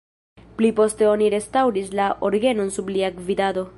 Pli poste oni restaŭris la orgenon sub lia gvidado.